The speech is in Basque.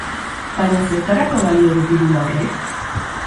Baina zertarako balio du pilula horrek?